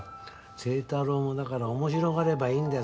星太郎もだから面白がればいいんだよ。